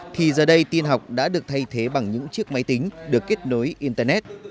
thì giờ đây tin học đã được thay thế bằng những chiếc máy tính được kết nối internet